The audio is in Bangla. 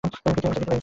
কী থেমে গেছে?